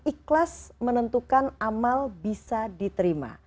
ikhlas menentukan amal bisa diterima